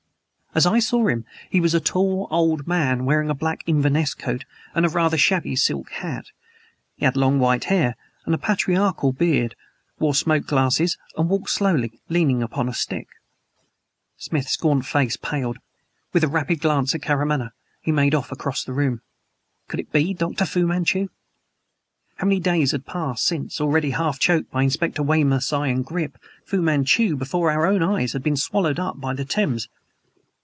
As I saw him, he was a tall, old man, wearing a black Inverness coat and a rather shabby silk hat. He had long white hair and a patriarchal beard, wore smoked glasses and walked slowly, leaning upon a stick. Smith's gaunt face paled. With a rapid glance at Karamaneh, he made off across the room. Could it be Dr. Fu Manchu? Many days had passed since, already half choked by Inspector Weymouth's iron grip, Fu Manchu, before our own eyes, had been swallowed up by the Thames.